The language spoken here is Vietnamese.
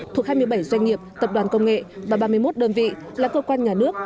thuộc hai mươi bảy doanh nghiệp tập đoàn công nghệ và ba mươi một đơn vị là cơ quan nhà nước